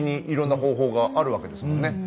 いろんな方法があるわけですもんね。